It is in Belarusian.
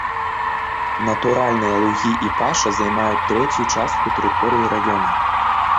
Натуральныя лугі і паша займаюць трэцюю частку тэрыторыі раёна.